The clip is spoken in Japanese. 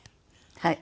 はい。